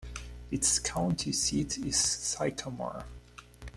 Its county seat is Sycamore.